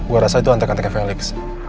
gw rasa itu antek anteknya felix